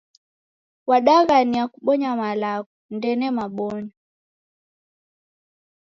Wadaghania kubonya malagho, ndene mabonyo